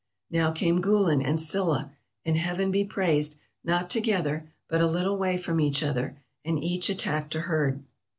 Now came 'Gulen' and 'Silla,' and, Heaven be praised, not together, but a little way from each other, and each attacked a herd.